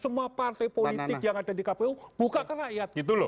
semua partai politik yang ada di kpu buka ke rakyat gitu loh